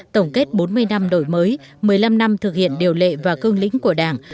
tổng kết bốn mươi năm đổi mới một mươi năm năm thực hiện điều lệ và cương lĩnh của đảng